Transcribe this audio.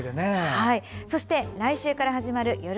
そして来週から始まるよる